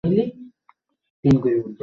এছাড়া আর উপায় আছে?